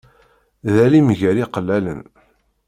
D alim gar iqellalen.